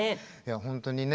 本当にね